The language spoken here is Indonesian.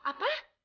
aku mau pergi